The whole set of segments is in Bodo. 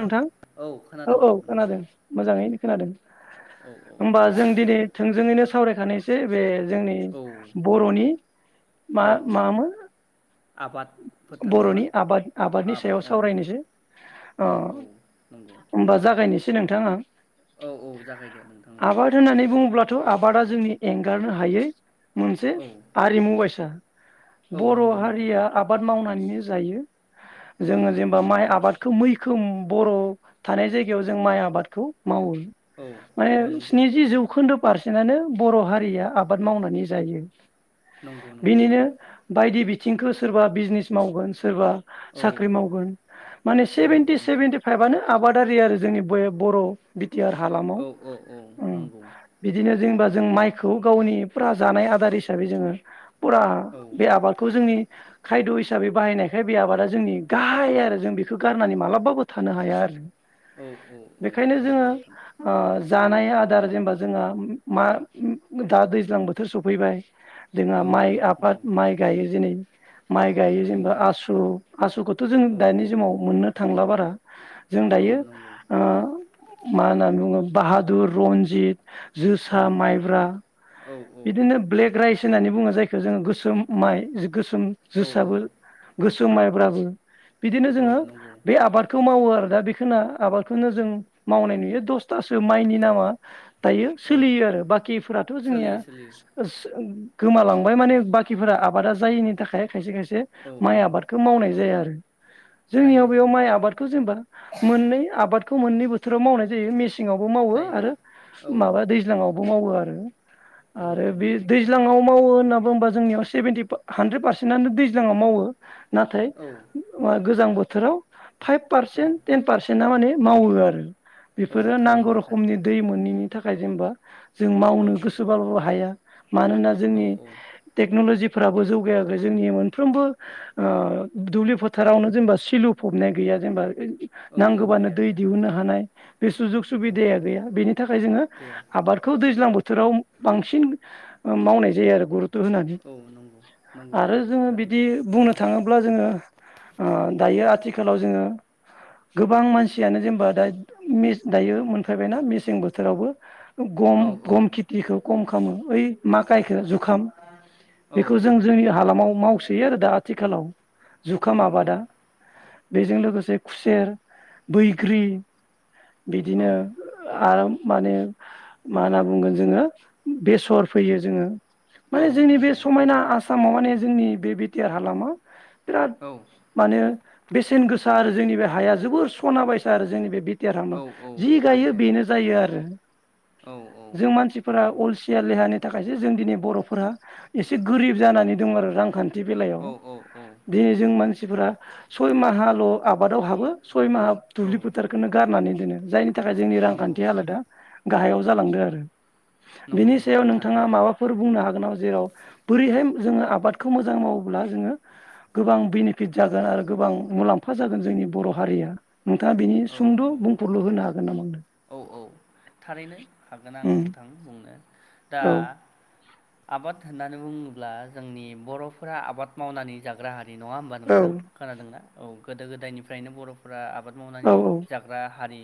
नोंथां औ औ खोनादों मोजाङैनो खोनादों औ औ होमबा जों दिनै थोंजोङैनो सावरायखानाय दे बेल जोंनि औ बरनि मा औ मामोन आबाद फोथार नामा बरनि आबाद आबादनि आबाद सायाव औ सावरायनोसै। ओ औ औ नंगौ होनबा जागा नायनोसै नोंथाङा औ औ जागायदो नोंथां आबाद होननानै बुङोब्ला थ आबादा जोंनि एंगारनो हायै मोनसे औ आरिमु बायसा औ बर नंगौ नंगौ हारिया आबाद मावनानै जायो औ जोङो नंगौ जेनेबा माइ आबादखौ मै रोखोम बर थानाय जायगायाव जों माइ आबादखौ मावो औ माने औ नंगौ स्निजि जौखोन्दो पारसेनानो बर हारिया आबाद मावनानै जायो नंगौ नंगौ बिनिनो बायदि बिथिंखो सोरबा बिजनेस मावगोन सोरबा औ साख्रि मावगोन माने औ सेभिं इ नंगौ सेभेनन्टि फाइभानो आबाद गारि आरो जोंनि बय बर' बि यार औ हालामाव औ औ उम नंगौ बिदिनो जोंबा जों माइखौ गावनि फुरा जानाय आदार हिसाबै जोंङो फुरा औ बे आबादखौ जोंनि खायद' हिसाबै बाहायनायखाय बे आबादा जोंनि गाहाय आरो जों बेखौ गारनानै माला फबो थानो हाया आरो। औ औ औ बेखायनो नंगौ जोङो नोंथां। ओ जानाय आदार जेनबा जोंहा मा दा दैज्लां बोथोर सफैबाय जोंहा औ माइ आबाद नंगौ माइ गाइयो जेनै माइ गायो औ जेनबा आसु, आसुखौथ' जों औ दानि औ जोमाव मोननो थां थांला बारा। जों औ दायो नंगौ ओ मा होननानै बुङो बाहादुर, रनजित औ जोसा, माइब्रा औ बिदिनो ब्लेक राइस होननानै बुङो जायखौ जोङो गोस सोम माइ जो गोसोम औ जोसाबो गो माइब्राबो बिदिनो औ जोङो नंगौ आबादखौ मावो आरो दा बेखोना आबादखौनो जों मावनाय नुयो दसथासो माइनि नामा दायो औ सोलियो आरो बाखिफोराथ' जोंनिया सोलियो सोलियो सो-सो गोमालांबाय माने बाखिफोरा आबादा जायिनि थाखाय खायसे खायसे जे औ माइ औ आबादखौ मावनाय जाया आरो। [inaudible] जायो जोंनियाव बैयाव उम माइ आबादखौ जेनबा मोननै आदाबखौ मोननै बोथोराव मावनाय जायो मेस सेङावबो मावो जायो आरो औ माबा दैज्लांयावबो बेखौ मावो आरो। औ आरो बे नंगौ नोंथां नंगौ दैज्लाङाव मावो होनना होनबा जोंनियाव सेभेन्टि पा हानद्रेद पारसेनो दैज्लाङाव मावो। नाथाय औ ओ गोजां बो थोराव फाइभ औ पार्सेन्ट टेन पारसेन्टना माने मावो आरो। औ बेफोरो नांगौ थारैनो थारैनो रोखमनि दै मोनैनि नि थाखाय जेनेबा जों औ मावनो गोसोबाबो हाया मानोना औ जोंनि औ टेकन'लजि फोराबो जौगायाखै जोंनि मोनफ्रोमबो ओ दुब्लि फोथारावनो जेनेबा सिलु फबनाय गैया जेनेबा। औ औ नांगौ बानो गैया दै गैया दिहुननो हानाय बे सुजुग औ सुबिदाया गैया बेनि थाखाय जोङो गैया आबादखौ दैज्लां बो थोराव बांसिन मावनाय जायो आरो गुरु औ नंगौ [unintelligible] नंगौ आरो नोंथां जोङो बिदि थारैनो बुंनो थाङोब्ला जोङो। ओ दायो आथि आथिखालाव जोङो गोबां मानसियानो जेनेबा दा दायो मोनफैबायना मेसें बोथोरावबो औ गम औ गम खेथिखौ खम खा ओम ओइ मा गायखो जुखाम। औ बेखौ जों जोंनि हालामाव माव सोयो आरो दा आथिखालाव औ जुखाम आबादा औ बेजों लोगोसे खुसेर बैग्रि। बिदिनो आ माने मा होनना बुंगोन जोङो बेसर फैयो जोङो। औ माने जोंनि बे नंगौ समायना आ आसामाव माने जोंनि बे बि-टि-आर हालामा बिराद औ माने बेसेन गोसा आरो जोंनि बे हाया जोबोर सना बायसा आरो जोंनि बे औ औ [unintelligible] जि गायो थारैनो बेनो जायो आरो औ औ जों मानसिफोरा नंगौ अलसिया लेहानि थाखायसो जों दिनै बर'फोरा एसे गोरिब जानानै दं आरो रांखान्थि [unintelligible] बेलायाव औ औ औ दिनै जों मानसि सिफोरा सय माहाल आबादाव हाबो सय माहा औ दुब्लि फोथारखौनो गारनानै दोनो जायनि थाखाय जोंनि नंगौ रांखान्थि हालोदा गाहायाव जालांदो आरो। नंगौ बिनि सायाव नोंथां नोंथाङा थारैनो माबाफोर बुंनो हागोन उनाव जेराव बोरैहाय जोङो आबादखौ मोजां मावोब्ला जोङो गोबां बेनिफिट जागोन आरो गोबां मुलाम्फा जागोन जोंनि बर' हारिया। नोंथाङा बिनि औ सुंद' औ बुंफोरलु होनो हागोन नामा आंनो औ औ औ थारैनो हागोन आं उम नोंथां बुंनो दा औ आबाद होननानै बुङोब्ला जोंनि बर'फोरा आबाद मावनानै जाग्रा हारि नङा होमबा नोंथां खोनादोंना औ। गोदो गोदायनिफ्रायनो बर'फोरा आबाद मावनानै औ जाग्रा हारि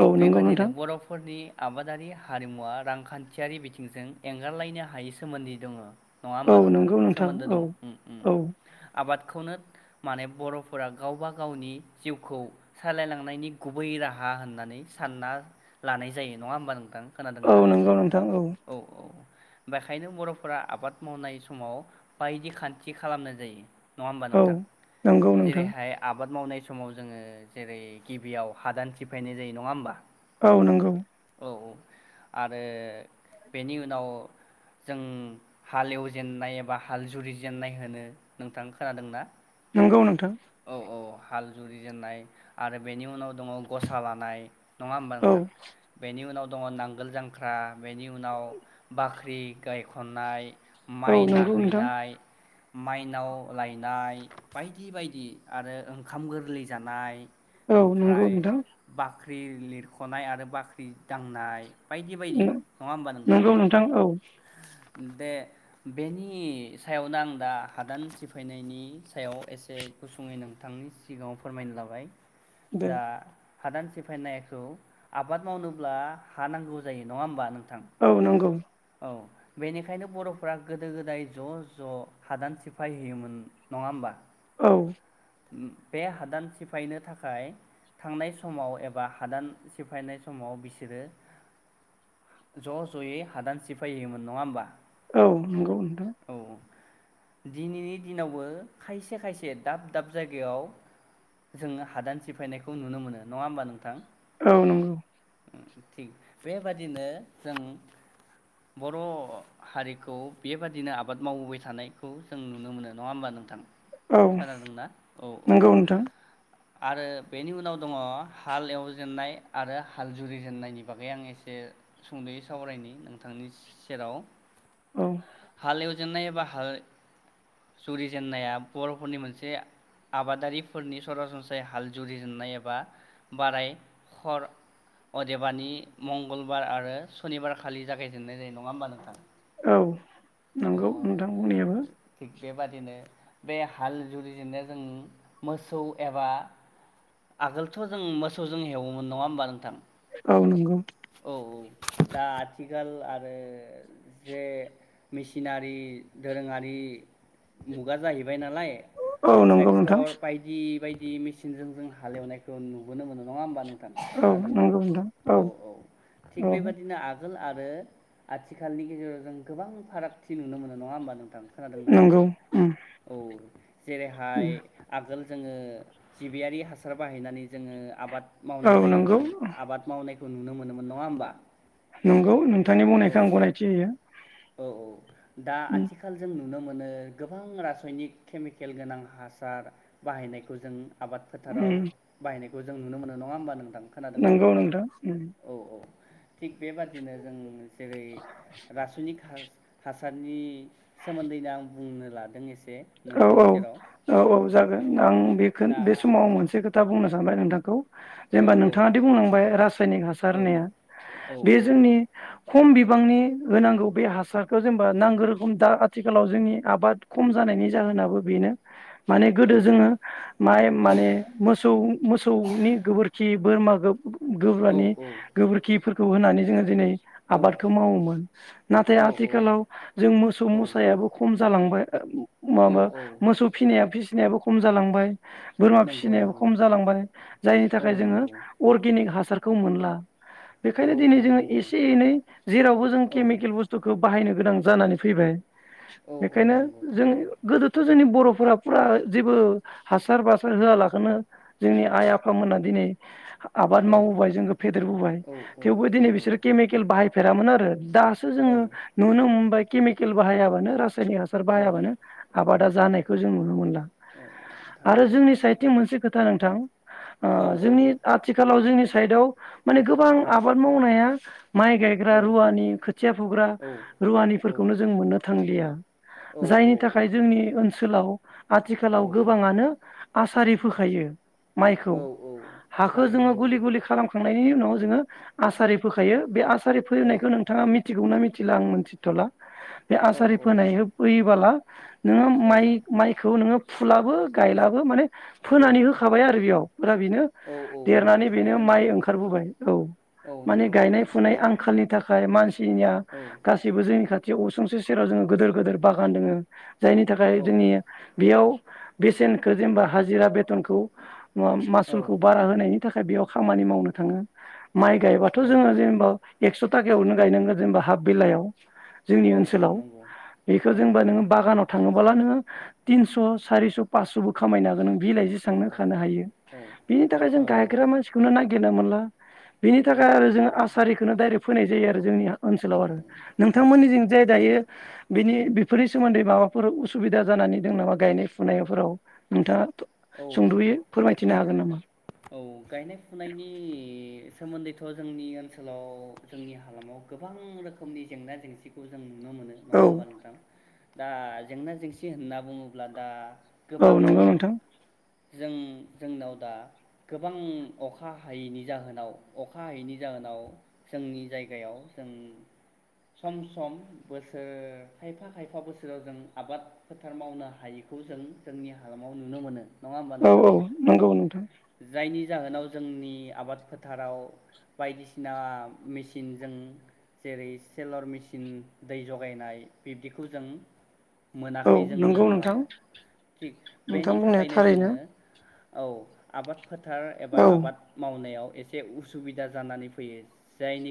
औ नंगौ बेबादिनो नोंथां बर'फोरनि आबादारि हारिमुवा रांखान्थियारि बिथिंजों एंगारलायनो हायै सोमोन्दै दङो। नङा औ होमबा नोंथां नंगौ सोमोन्दो औ दङ ओम ओम। औ आबाद खौनो माने बर'फोरा गावबा गावनि जिउखौ सालायलांनायनि गुबै राहा होननानै सानना लानाय जायो नङा होमबा नोंथां? औ खोनादोंना नंगौ नोंथां ओ। औ औ। बेखायनो बर'फोरा आबाद मावनाय समाव बायदि खान्थि खालामनाय जायो। नङा होमबा औ नोंथां नंगौ नोंथां जेरैहाय आबाद मावनाय समाव जोङो जेरै गिबियाव हादान सिफायनाय जायो नङा होमबा? औ नंगौ औ आरो बेनि उनाव जों हालएवजेननाय एबा हाल जुरि जेननाय होनो, नोंथां खोनादोंना? नंगौ नोंथां। औ औ हाल जुरिजेननाय आरो बेनि उनाव दङ गसा लानाय नङा होमबा औ नोंथां बेनि उनाव दङ नांगोल जांख्रा बेनि उनाव बाख्रि गायखननाय। औ माइ नंगौ नोंथां नाहैनाय माइनाव लायनाय बायदि बायदि आरो ओंखाम गोरलै जानाय औ नंगौ नोंथां। ख्रि लिरख'नाय आरो बाख्रि दांनाय बायदि बायदि। नंगौ नोंथां औ। औ। दे बेनि सायावनो आं दा हादान सिफायनायनि सायाव एसे गुसुङै नोंथांनि सिगाङाव फोरमायनो लाबाय। दे दा हादान सिफायनायखौ आबाद मावनोब्ला हा नांगौ जायो नङा होमबा नों औ नंगौ। औ बेनिखायनो बर'फोरा गोदो गोदाय ज' ज' हादान सिफाय हैयोमोन नङा होमबा? औ। बे हादान सिफायनो थाखाय थांनाय समाव एबा हादान सिफायनाय समाव बिसोरो ज' ज'यै हादान सि फैयोमोन नङा होमबा? औ नंगौ नोंथां। औ दिनैनि दिनावबो खायसे खायसे दाब दाब औ नंगौ। ओ थिग बेबादिनो जों बर' हारिखौ बेबादिनो आबाद मावबोबाय थानायखौ जों नुनो मोनो नङा होमबा नोंथां। औ खोनादोंना? औ औ। नंगौ नोंथां आरो बेनि उनाव दङ हाल एवजेननाय आरो हाल जुरि जेननायनि बागै आं एसे सुंद'यै सावरायनायनि [inaudible] नोंथांनि सेराव औ [inaudible] हालेव [unintelligible] एबा हाल जुरिजेननाया बर'फोरनि मोनसे आबादारिफोरनि सरासनस्रायै हाल जुरिजेननाय एबा बाराय हर अदेबानि मंगलबार आरो सनिबारखा खालि। जागायजेननाय जायो नङा होमबा नोंथां? औ। औ नंगौ नोंथां बुंनायाबो। थिग बेबादिनो बे हाल जुरिजेन्नाया जों मोसौ एबा आगोलथ' जों मोसौजों हेवोमोन नङा होमबा नोंथां। औ नंगौ। औ दा आथिखाल आरो जे मेसिनारि, दोरोङारि मुगा जाहैबाय नालाय औ नंगौ नोंथां ट्रेक्टर बायदि बायदि। इ मेसिन जों हालेवनायखौ नुबोनो मोनो नङा होमबा? औ खोनादोंना नंगौ नोंथां औ औ थिग औ बेबायदिनो आ आगोल आरो आथिखालनि गेजेराव जों गोबां फारागथि नुनो मोनो नङा होनोमबा? खोनादोंना नंगौ उम औ जेरैहाय आगोल जोङो जिबियारि हासार बाहायनानै जोङो आबाद औ मावनाय नंगौ जायोमोन आबाद मावनाय नुनो मोनोमोन नङा होमबा? नंगौ नोंथांनि औ बुंनायखौ आं गनायथि होयो। औ औ दा उम आथिखाल जों नुनो मोनो गोबां रासयनिक केमिकेल गोनां हासार बाहायनायखौ जों आबाद फोथाराव उम बाहायनाय [inaudible] जों नुनो मोनो नङा होमबा नों खोनादोंना नंगौ नोंथां उम औ औ। थिग बेबादिनो जों जेरै रासयनिक हास हासारनि सोमोन्दै [unintelligible] बुंनो लादों एसे औ औ नोंथांनि सेराव औ औ औ जागोन आं बे दा बे समावं मोनसे खोथा बुंनो सानबाय नोंथां [unintelligible] औ जेनेबा औ नोंथाङादि बुंलांबाय रासायनिक हासार औ होननाया औ बे जोंनि खम बिबांनि होनांगौ बे हासारखौ जेनेबा नांगौ रोखोम दा आथिखालाव जोंनि आबाद खम जानायनि जाहोनाबो बेनो माने औ गोदो जोङो माइ औ माने मोसौ मोसौनि गोबोरखि बोरमा गो औ गोब्रानि औ गोबोरखि फोरखौ होनानै जोङो दिनै आबादखौ मावोमोन नाथाय आथिखालाव जों मोसौ मोसायाबो खम जालांबाय। [unintelligible] औ माबा औ मोसौ फिनाया फिस फिनायाबो खम जालांबाय बोरमा नंगौ फिसिनायाबो नंगौ खम जालांबाय जायनि थाखाय औ जोङो नंगौ अर्गेनिक हासार खौ मोनला। औ बेखायनो दिनै औ जोङो नंगौ एसे एनै जेरावबो जों औ केमिकेल बुस्थुखौ बाहायनो गोनां जानानै फैबाय। औ औ बेखायनो नंगौ जों थारैनो। गोदोथ' जोंनि बर' फोरा फुरा जेबो हासार बासार होआलाखनो जोंनि आइ आफामोना दिनै आबाद औ मावबोबाय जोंखौ फेदेरबोबाय औ औ थेवबो दिनै नंगौ बिसोरो केमिकेल बाहाय फेरामोन आरो। दासो औ जोङो नुनो मोनबाय केमिकेल बाहायाबानो हासार औ बाहायाबानो आबादा जानायखौ जों नुनो मोनला। औ आरो थारैनो जोंनि साइतथिं मोनसे खोथा नों [inaudible] ओ औ जोंनि आथिखालाव जोंनिस साइदाव माने गोबां औ आबाद मावनाया माइ औ गायग्रा रुवानि खोथिया फुग्रा औ रुवानिफोरखौनो जों मोननो थांलिया। औ जायनि औ। थाखाय जोंनि ओनसोलाव आथिखालाव औ गोबाङानो आसरि फोखायो। माइखौ औ हाखो जोङो थारैनो गुलि गुलि खालामखांनायनि उनाव‌ जोङो आसरि फोखायो बे आस आसरि औ फोनायखौ नोंथाङा मिथिगौ ना मि थिला आं मोनथिथ'ला। बे औ आसरि फोनाय फैयोबाला नोङो माइ माइखौ नोङो फुलाबो गायलाबो माने औ फोनानै होखाबाय आरो बेयाव ओमफ्राय बेनो औ औ नंगौ देरनानै बेनो थारैनो माइ नंगौ ओंखारबोबाय औ औ माने नंगौ नंगौ गायनाय नंगौ फुनाय आंखालनि थाखाय फ्राय मानसि निया औ गासिबो जोंनि खाथि जे असुंसे सेराव जोङो गोदोर गोदोर बागान दोङो। जायनि थाखाय औ जोंनि बेयाव बेसेनखो जेनेबा हाजिरा बेथनखौ मन औ मासुलखौ बारा होनायनि थाखाय बेयाव खामानि मावनो थाङो। माइ गायबाथ' औ जोङो जेनेबा एकस थाखायावनो गायनांगोन जेनेबा हाफ बेलायाव। जोंनि औ औ ओनसोलाव नंगौ बेखौ औ जेनबा नंगौ नोङो थाङोबोला नोङो टिनस सारिस फाससबो खामायनो हागोन नों बिलाइ औ जेसांनो औ खानो हायो औ बिनि थाखाय औ जों गायग्रा मानसिखौनो ना बिरनो मोनला बिनि औ थाखाय आरो नंगौ जोङो नंगौ आसारिखोनो दाइरेक्ट फोनाय जायो आरो जोंनिया। औ ओनसोलाव आरो थारैनो नोंथांमोनजिं जे थारैनो दायो बिनि बेफोरिज सोमोन्दै माबाफोर उसुबिदा जानानै दों नामा गायनाय फुनायफोराव नोंथाङा औ सुंदयो फोरमायथिनो हागोन नामा। औ गायनाय फुनायनि सोमोन्दैथ' जोंनि ओनसोलाव जोंनि हालामाव गोबां रोखोमनि जेंना जेंसिखौ जों नुनो मोनो नङा औ होमबा नोंथां? दा जेंना जेंसि होनना बुङोब्ला दा औ गोबां नंगौ नोंथां जों जोंनाव दा गोबां अखा हायैनि जाहोनाव अखा हायैनि जाहोनाव जोंनि जायगायाव जों सम-सम बोसोर खायफा-खायफा बोसोराव जों आबाद फोथार मावनो हायैखौ जों जोंनि हालामाव नुनो मोनो। नङा होमबा औ नोंथां औ नंगौ नोंथां। जायनि जाहोनाव जोंनि आबाद फोथाराव बायदिसिना मेसिनजों जेरै सेलर मेचिन दै जगायनाय बिब्दिखौ जों औ मोनाखै जोंनि नंगौ नोंथां हालामाव थिग नोंथां बेनि बुंनाया थाखायनो थारैनो जोङो औ आबाद फोथार एबा औ आबाद मावनायाव एसे उसुबिदा जानानै फैयो जायनि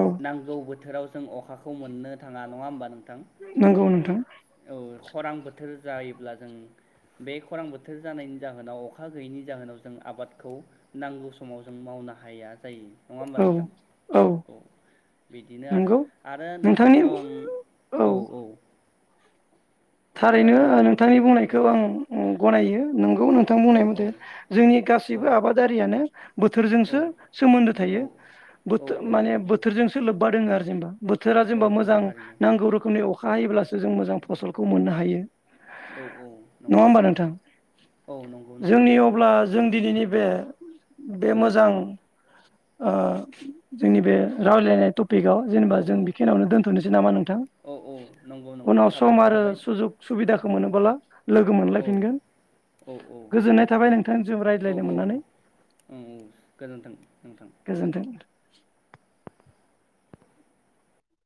औ नांगौ बोथोराव‌ जों अखाखौ मोननो थाङा नङा होमबा नों थां नंगौ नोंथां औ खरां बोथोर जायोब्ला जों बे खरां बोथोर जानायनि जाहोनाव अखा गैयैनि ज जाहोनाव जों आबादखौ नांगौ समाव जों मावनो हाया जायो। नङा होमबा औ नोंथां? औ बिदिनो आरो, नंगौ आरो नोंथांनि नोंथांखौ आं औ औ थारैनो खोनादों नोंथां नोंथांनि बुंनायखौ औ आं अम गनायो। नोंग गौ नोंथां औ बुंनाय मथे औ जोंनि गासैबो आबादारियानो बोथोरजोंसो औ सोमोन्दो थायो औ बोथ औ औ माने नंगौ बोथोरजोंसो लोब्बा दो आरो जेनबा बोथोरा जेनेबा औ औ मोजां थारैनो नांगौ रोखोमनि अख खा हायोब्लासो जों मोजां फसल खौ मोननो हायो। औ औ नङा नंगौ होमबा नोंथां? औ नंगौ नोंथां जोंनि नंगौ अब्ला जों दिनैनि बे बे औ मोजां ओ जोंनि बे रावलायनायाथ पिगाव औ जेनेबा जों औ औ बेखिनियावनो दोनथनोसै नामा नोंथां औ औ नंगौ नंगौ उनाव सम साबायखर आरो थाबाय सुजुग सुबिदाखौ औ मोनोबोला लोगो औ मोनलायफिनगोन औ औ गोजोननाय थाबाय नोंथां जों औ रायलायनो मोननानै औ गोजोन्थों नोंथां गोजोनथों।